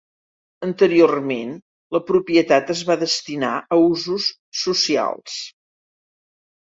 Anteriorment, la propietat es va destinar a usos socials.